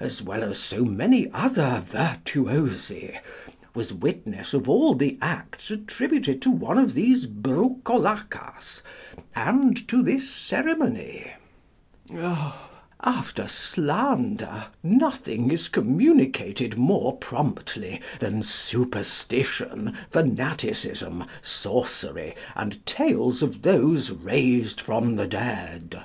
as well as so many other virtuosi, was witness of all the acts attributed to one of these "broucolacas," and to this ceremony. After slander, nothing is communicated more promptly than superstition, fanaticism, sorcery, and tales of those raised from the dead.